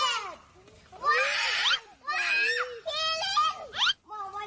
ว๊าว๊าพีลิน